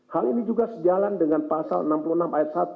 hal ini juga sejalan dengan pasal enam puluh enam ayat satu